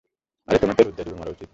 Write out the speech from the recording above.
আরে, তোমার তো লজ্জায় ডুবে মরা উচিত!